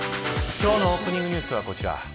今日のオープニングニュースはこちら。